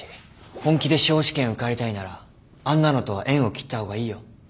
本気で司法試験受かりたいならあんなのとは縁を切った方がいいよ。